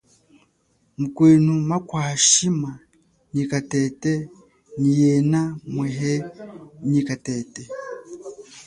Kwenu makwa shima nyi katete nyi yena mwehi nyi katete.